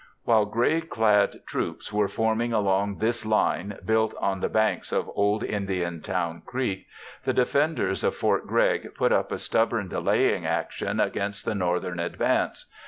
While gray clad troops were forming along this line built on the banks of Old Indian Town Creek, the defenders of Fort Gregg put up a stubborn delaying action against the Northern advance.